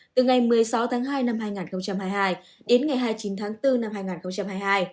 từ ngày một mươi sáu tháng hai năm hai nghìn hai mươi hai đến ngày hai mươi chín tháng bốn năm hai nghìn hai mươi hai